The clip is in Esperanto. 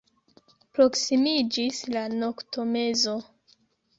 Proksimiĝis la noktomezo.